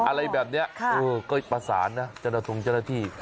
อะไรแบบนี้ก็ประสานนะเจ้าหน้าทุงเจ้าหน้าที่